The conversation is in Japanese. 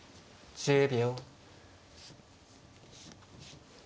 １０秒。